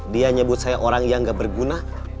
dia nyebut saya orang yang gak berguna